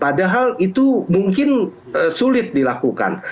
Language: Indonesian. padahal itu mungkin sulit dilakukan